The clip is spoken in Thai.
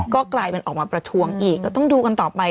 ก็กลายเป็นออกมาประท้วงอีกก็ต้องดูกันต่อไป